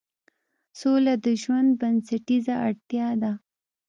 سوله د ژوند بنسټیزه اړتیا ده